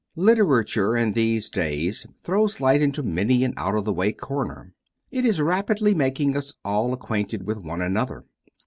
Literature in these days throws light into many an out of the way corner. It is rapidly making us all acquainted with one another.